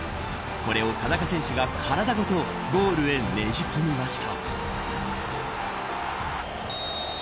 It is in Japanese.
これを田中選手が体ごとゴールへねじ込みました。